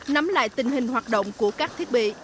nắm lại tình hình hoạt động của các thiết bị